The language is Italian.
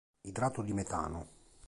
Idrato di metano